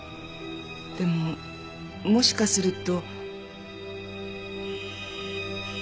でももしかすると。